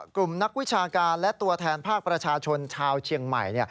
กลุ่มนักวิชาการและตัวแทนภาคประชาชนชาวเชียงใหม่